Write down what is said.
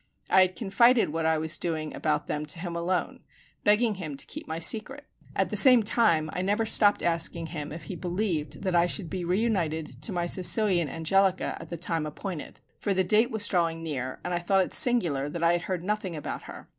I had confided what I was doing about them to him alone, begging him to keep my secret. At the same time I never stopped asking him if he believed that I should be reunited to my Sicilian Angelica at the time appointed; for the date was drawing near, and I thought it singular that I heard nothing about her.